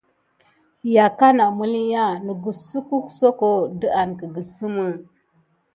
Yakaku məlinya nisgue danasine soko dida mis guelna ne.